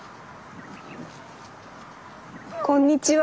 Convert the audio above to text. こんにちは。